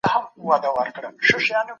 ټولو ماشومانو ته یو ډول مینه ورکړئ.